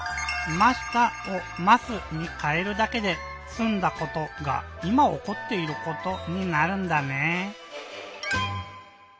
「ました」を「ます」にかえるだけですんだことがいまおこっていることになるんだねぇ。